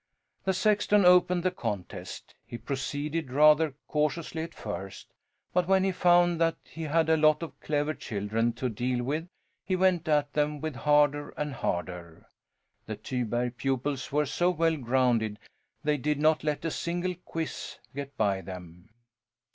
The sexton opened the contest. He proceeded rather cautiously at first, but when he found that he had a lot of clever children to deal with he went at them harder and harder. The Tyberg pupils were so well grounded they did not let a single quizz get by them.